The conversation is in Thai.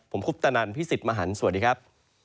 ผมคุปตะนันพี่สิทธิ์มหันฯสวัสดีครับ